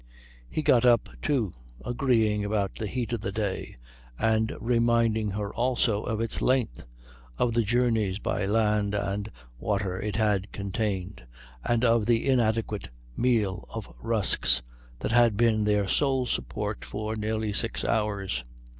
He got up, too, agreeing about the heat of the day, and reminding her also of its length, of the journeys by land and water it had contained, and of the inadequate meal of rusks that had been their sole support for nearly six hours.